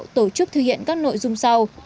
tổ chức thực hiện các nội dung sau